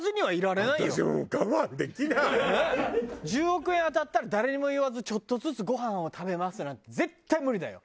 １０億円当たったら誰にも言わずちょっとずつごはんを食べますなんて絶対無理だよ。